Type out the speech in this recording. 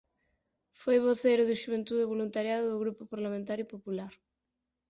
Foi voceiro de Xuventude e Voluntariado do Grupo Parlamentario Popular.